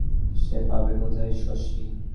আদিজ্ঞান যার নেই পরবর্তী জ্ঞান সে পাবে কোথায় শশী?